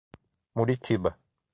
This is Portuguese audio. Muritiba